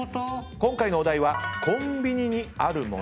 今回のお題はコンビニにあるもの。